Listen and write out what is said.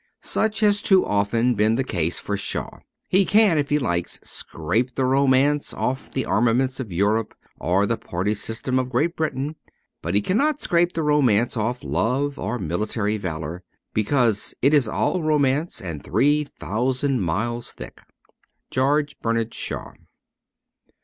Such has too often been the case with Shaw. He can, if he likes, scrape the romance off the armaments of Europe or the party system of Great Britain ; but he cannot scrape the romance off love or military valour, because it is all romance, and three thousand miles thick. ^George Bernard Shaw.'